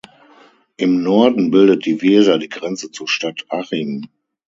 Im Norden bildet die Weser die Grenze zur Stadt Achim.